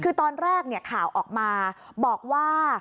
คือตอนแรกข่าวออกมาบอกว่า